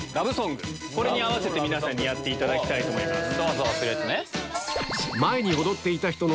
これに合わせて皆さんにやっていただきたいと思います。